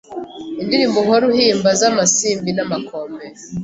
Indirimbo uhora uhimba z’amasimbi n'Amakombe